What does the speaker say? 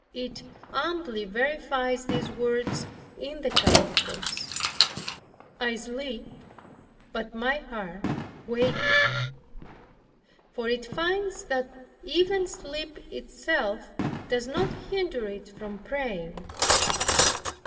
It amply verifies these words in the Canticles, "I sleep but my heart waketh;" for it finds that even sleep itself does not hinder it from praying.